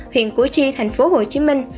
huyện củ chi tp hcm